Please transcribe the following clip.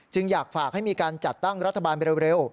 อยากฝากให้มีการจัดตั้งรัฐบาลไปเร็ว